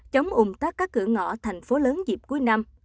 chống ủng tắc các cửa ngõ thành phố lớn dịp cuối năm